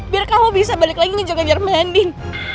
biar kamu bisa balik lagi ngejok ngejar mbak andin